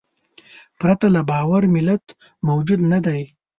پرته له باور ملت موجود نهدی.